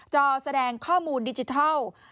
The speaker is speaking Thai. จอแสดงข้อมูลดิจิทัล